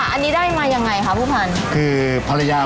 ใช่ค่ะอันนี้ได้มายังไงคะผู้ผู้ค้า